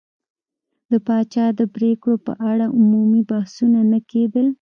د پاچا د پرېکړو په اړه عمومي بحثونه نه کېدل.